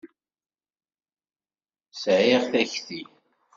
Sɛiɣ takti.